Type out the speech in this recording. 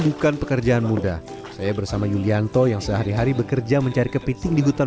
bukan pekerjaan mudah saya bersama yulianto yang sehari hari bekerja mencari kepiting di hutan